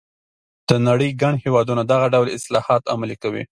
د نړۍ ګڼ هېوادونه دغه ډول اصلاحات عملي کوي.